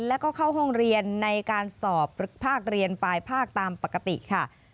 แล้วก็เข้าห้องเรียนในการสอบภาคเรียนปลายภาคตามปกติค่ะ